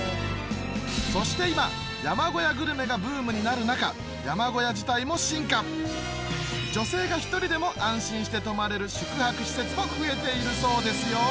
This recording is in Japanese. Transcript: そして今山小屋グルメがブームになる中女性が１人でも安心して泊まれる宿泊施設も増えているそうですよ